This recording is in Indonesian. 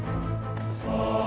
lo mau kemana